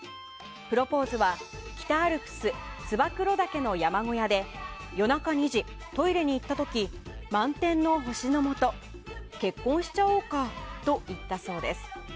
プロポーズは北アルプス燕岳の山小屋で夜中２時、トイレに行った時満天の星のもと結婚しちゃおうか？と言ったそうです。